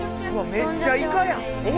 めっちゃイカやん！え！